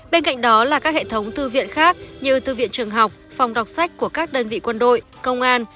bên cạnh đó là các hệ thống thư viện khác như thư viện trường học phòng đọc sách của các đơn vị quân đội công an